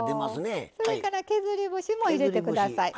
それから削り節も入れてください。